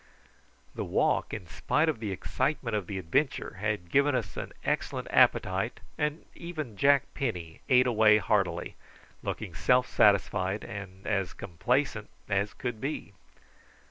The walk, in spite of the excitement of the adventure, had given us an excellent appetite, and even Jack Penny ate away heartily, looking self satisfied and as complacent as could be.